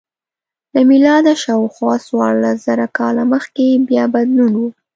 له میلاده شاوخوا څوارلس زره کاله مخکې بیا بدلون و